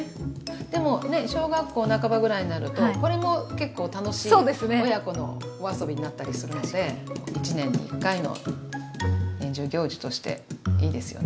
でもね小学校半ばぐらいになるとこれも結構楽しい親子のお遊びになったりするので１年に１回の年中行事としていいですよね。